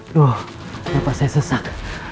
duh kenapa saya sesak